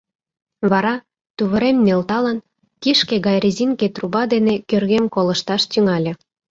Вара, тувырем нӧлталын, кишке гай резинке труба дене кӧргем колышташ тӱҥале.